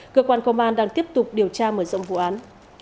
cơ quan công an đang tiếp tục điều tra mở rộng vụ án